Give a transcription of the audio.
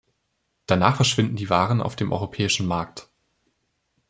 Danach verschwinden die Waren auf dem europäischen Markt.